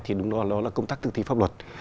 thì đúng đó là công tác tự tì pháp luật